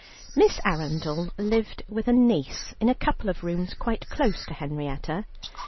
Miss Arundel lived with a niece in a couple of rooms quite close to Henrietta.